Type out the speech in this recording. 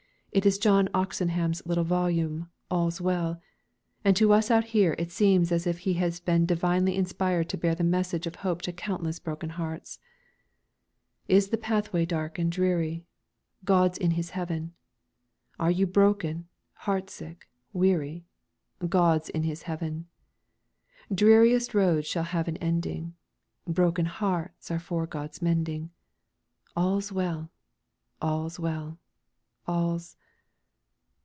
It is John Oxenham's little volume "All's Well," and to us out here it seems as if he has been divinely inspired to bear the message of hope to countless broken hearts. _"Is the pathway dark and dreary? God's in His heaven! Are you broken, heart sick, weary? God's in His heaven! Dreariest roads shall have an ending, Broken hearts are for God's mending, All's well! All's well! All's